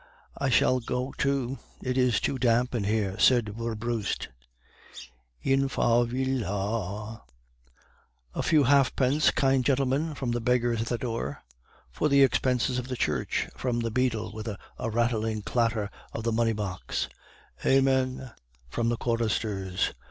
"'I shall go too; it is too damp in here,' said Werbrust. "In favilla. "'A few halfpence, kind gentlemen!' (from the beggars at the door). "'For the expenses of the church!' (from the beadle, with a rattling clatter of the money box). "'Amen' (from the choristers).